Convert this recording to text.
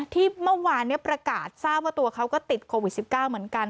ที่เมื่อวานประกาศทราบว่าตัวเขาก็ติดโควิด๑๙เหมือนกัน